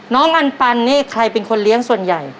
น้องอันปันนี่ใครเป็นคนเลี้ยงส่วนใหญ่